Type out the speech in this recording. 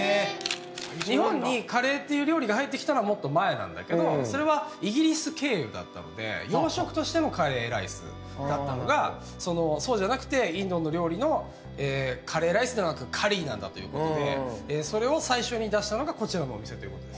日本にカレーという料理が入ってきたのはもっと前なんだけどそれはイギリス経由だったので洋食としてのカレーライスだったのがそうじゃなくて、インドの料理のカレーライスじゃなくてカリーなんだということでそれを最初の出したのがこちらのお店ということです。